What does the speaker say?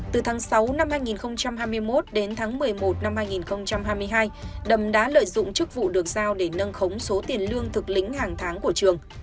từ tháng sáu năm hai nghìn hai mươi một đến tháng một mươi một năm hai nghìn hai mươi hai đầm đã lợi dụng chức vụ được giao để nâng khống số tiền lương thực lĩnh hàng tháng của trường